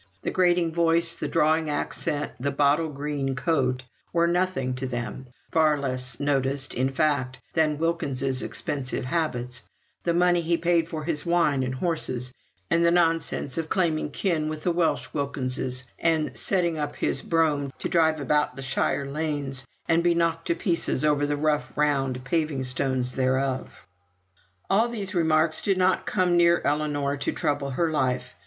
The grating voice, the drawling accent, the bottle green coat, were nothing to them; far less noticed, in fact, than Wilkins's expensive habits, the money he paid for his wine and horses, and the nonsense of claiming kin with the Welsh Wilkinses, and setting up his brougham to drive about shire lanes, and be knocked to pieces over the rough round paving stones thereof. All these remarks did not come near Ellinor to trouble her life.